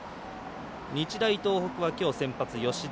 日大東北はきょう先発、吉田。